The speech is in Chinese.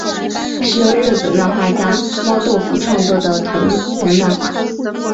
是由日本漫画家猫豆腐创作的同人漫画。